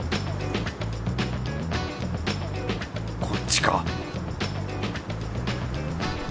こっちか